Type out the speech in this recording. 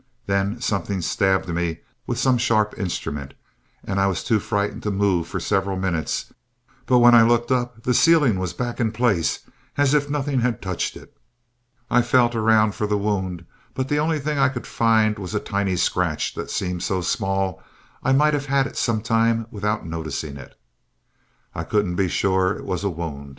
Then something stabbed me with some sharp instrument. I was too frightened to move for several minutes, but when I looked up the ceiling was back in place as if nothing had touched it. I felt around for the wound, but the only thing I could find, was a tiny scratch that seemed so small I might have had it some time without noticing it. I couldn't be sure it was a wound.